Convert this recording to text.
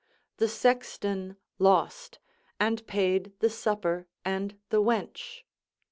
The sexton lost, and paid the supper and the wench.